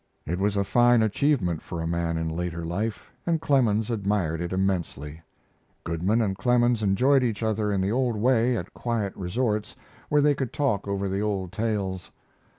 It was a fine achievement for a man in later life and Clemens admired it immensely. Goodman and Clemens enjoyed each other in the old way at quiet resorts where they could talk over the old tales.